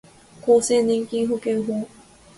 厚生年金保険法